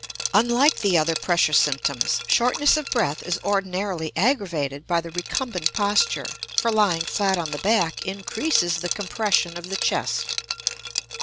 Unlike the other pressure symptoms, shortness of breath is ordinarily aggravated by the recumbent posture, for lying flat on the back increases the compression of the chest.